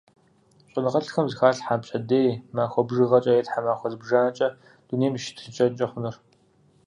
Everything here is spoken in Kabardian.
ЩӀэныгъэлӀхэм зэхалъхьэ пщэдей, махуэ бжыгъэкӀэ е тхьэмахуэ зыбжанэкӀэ дунейм и щытыкӀэнкӀэ хъунур.